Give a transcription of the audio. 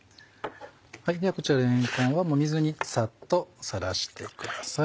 こちられんこんは水にサッとさらしてください。